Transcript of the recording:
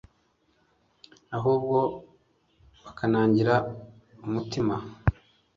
ahubwo bakanangira umutima